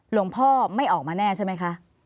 หลวงพ่อไม่ออกมาแน่ใช่ไหมคะ